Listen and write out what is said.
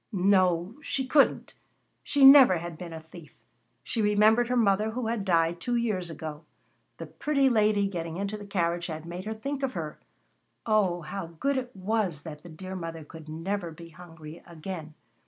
No, she couldn't. She never had been a thief. She remembered her mother, who had died two years ago. The pretty lady getting into the carriage had made her think of her! Oh! how good it was that the dear mother could never be hungry again.